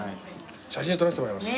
写真撮らせてもらいます。